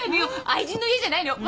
愛人の家じゃないのよ。